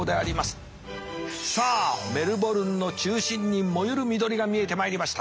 さあメルボルンの中心にもゆる緑が見えてまいりました。